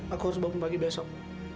aku harus bangun pagi besok